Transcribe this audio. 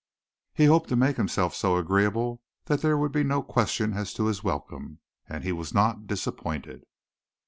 He hoped to make himself so agreeable that there would be no question as to his welcome, and he was not disappointed.